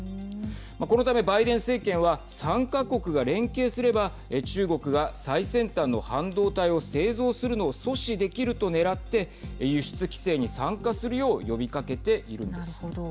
このためバイデン政権は３か国が連携すれば中国が最先端の半導体を製造するのを阻止できるとねらって輸出規制に参加するようなるほど。